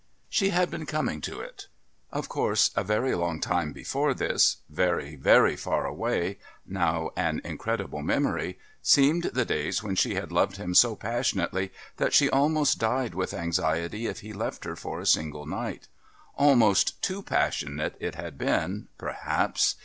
She had been coming to it. Of course, a very long time before this very, very far away, now an incredible memory, seemed the days when she had loved him so passionately that she almost died with anxiety if he left her for a single night. Almost too passionate it had been, perhaps.